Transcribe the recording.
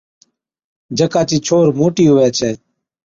جڪا چِي ڇوھِر موٽِي ھُوي ڇَي